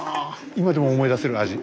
今でも思い出せる味。